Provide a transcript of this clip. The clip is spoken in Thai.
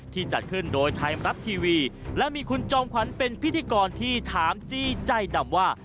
จัดขึ้นโดยไทยรัฐทีวีและมีคุณจอมขวัญเป็นพิธีกรที่ถามจี้ใจดำว่า